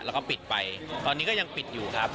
แล้วก็ปิดไปตอนนี้ก็ยังปิดอยู่ครับ